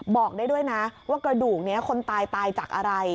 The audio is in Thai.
บอกได้ด้วยนะว่ากระดูกนี้คนตายตายจากอะไร